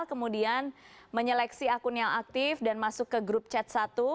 kemudian menyeleksi akun yang aktif dan masuk ke grup chat satu